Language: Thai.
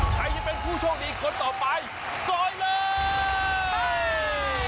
ใครจะเป็นผู้โชคดีคนต่อไปซอยเลย